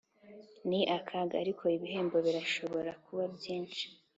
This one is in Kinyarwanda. ni akaga, ariko ibihembo birashobora kuba byinshi.